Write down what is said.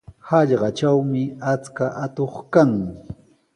Hallqatrawmi achka atuq kan.